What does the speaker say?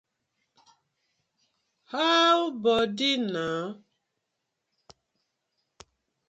How bodi na?